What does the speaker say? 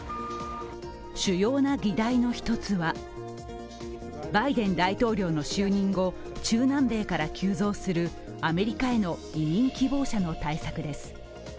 主要な議題の１つは、バイデン大統領の就任後、中南米から急増するアメリカへの移民希望者の対策です。